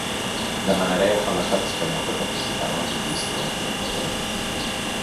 Demanareu a l’estat espanyol de participar en el judici com a observadors?